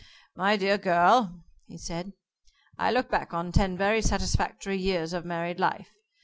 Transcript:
"My dear girl," he said, "I look back on ten very satisfactory years of married life.